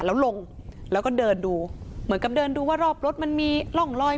แล้วลงแล้วก็เดินดูเหมือนกับเดินดูว่ารอบรถมันมีร่องรอย